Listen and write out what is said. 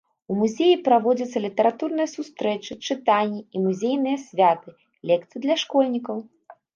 У музеі праводзяцца літаратурныя сустрэчы, чытанні і музейныя святы, лекцыі для школьнікаў.